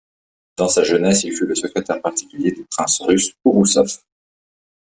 Dans sa jeunesse, il fut le secrétaire particulier du prince russe Ouroussov.